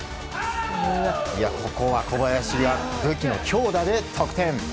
ここは小林が武器の強打で得点。